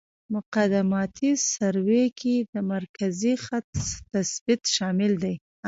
مقدماتي سروې کې د مرکزي خط تثبیت شامل دی